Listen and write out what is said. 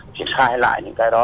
chỉ khai lại những cái đó